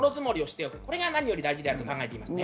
これが何より大事だと考えています。